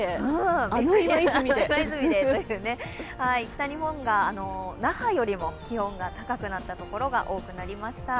北日本が那覇よりも気温が高くなった所が多くなりました。